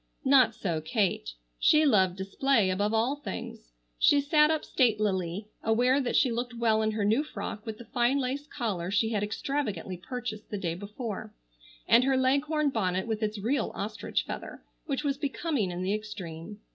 Not so Kate. She loved display above all things. She sat up statelily, aware that she looked well in her new frock with the fine lace collar she had extravagantly purchased the day before, and her leghorn bonnet with its real ostrich feather, which was becoming in the extreme.